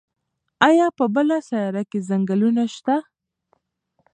ایا په بله سیاره کې ځنګلونه شته؟